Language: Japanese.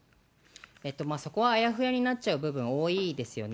そこはあやふやになっちゃう部分多いですよね。